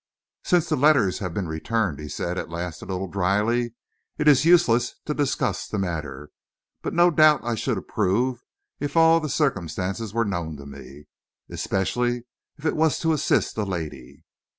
"Since the letters have been returned," he said, at last, a little drily, "it is useless to discuss the matter. But no doubt I should approve if all the circumstances were known to me. Especially if it was to assist a lady."